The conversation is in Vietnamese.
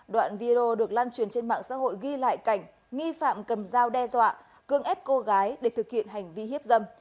đoạn video được lan truyền trên mạng xã hội ghi lại cảnh nghi phạm cầm dao đe dọa cương ép cô gái để thực hiện hành vi hiếp dâm